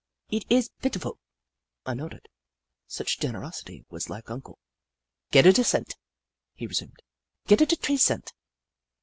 It ees pitiful." I nodded. Such generosity was like Uncle. " Getta da cent," he resumed, " getta da tree cent.